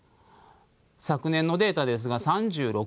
昨年のデータですが３６位。